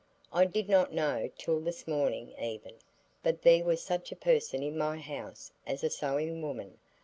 I did not know till this morning even, that there was such a person in my house as a sewing woman.